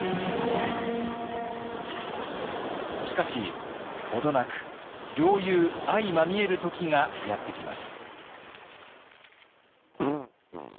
しかし程なく両雄相まみえる時がやってきます。